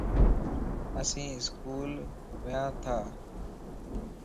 اسين اسڪول ونياتان